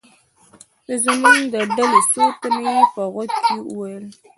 د زموږ د ډلې څو تنه یې په غوږ کې و ویل.